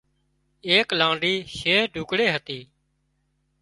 ايڪ لانڍي شهر ڍوڪڙي هتون